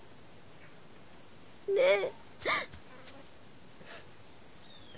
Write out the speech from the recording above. ねえ。